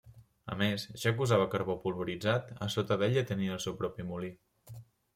A més, ja que usava carbó polvoritzat, a sota d'ella tenia el seu propi molí.